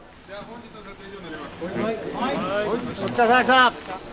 ・お疲れさまでした。